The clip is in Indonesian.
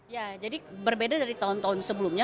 ya jadi berbeda dari tahun tahun sebelumnya